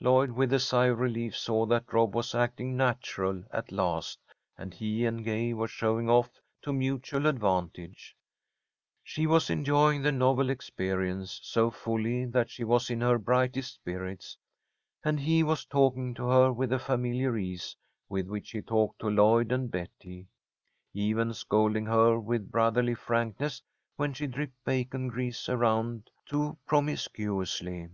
Lloyd, with a sigh of relief, saw that Rob was "acting natural" at last, and he and Gay were showing off to mutual advantage. She was enjoying the novel experience so fully that she was in her brightest spirits, and he was talking to her with the familiar ease with which he talked to Lloyd and Betty, even scolding her with brotherly frankness when she dripped bacon grease around too promiscuously.